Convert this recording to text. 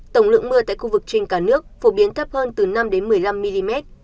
tổng lượng mưa tại khu vực trên cả nước phổ biến thấp hơn từ năm một mươi năm mm